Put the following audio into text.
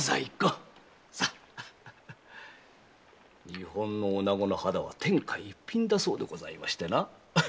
日本のおなごの肌は天下一品だそうでございましてな。